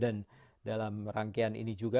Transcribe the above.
dan dalam rangkaian ini juga